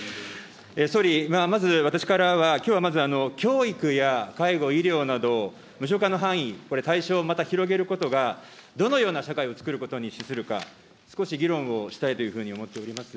総理、まず私からは、きょうはまず、教育や介護、医療など、無償化の範囲、これ、対象また広げることが、どのような社会をつくることに資するか、少し議論をしたいというふうに思っております。